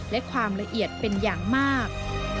และความละเอียดเป็นอย่างมาก